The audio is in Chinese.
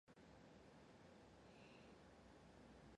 他在非赛季时则为波多黎各职业棒球联盟的卡瓜斯队效力。